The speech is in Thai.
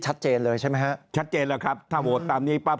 ชัดเจนเลยใช่ไหมฮะชัดเจนแล้วครับถ้าโหวตตามนี้ปั๊บ